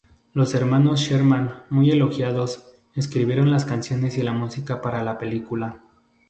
Los hermanos Sherman, muy elogiados, escribieron las canciones y la música para la película.